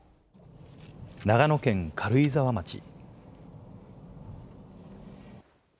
長野県軽井沢町。